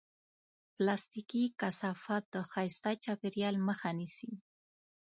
پلاستيکي کثافات د ښایسته چاپېریال مخه نیسي.